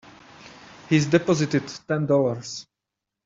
He's deposited Ten Dollars.